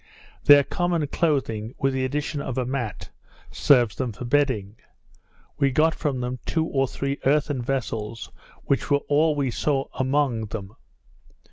Their common clothing, with the addition of a mat, serves them for bedding. We got from them two or three earthen vessels, which were all we saw among them.